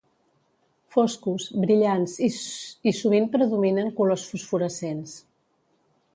Foscos, brillants i sovint predominen colors fosforescents.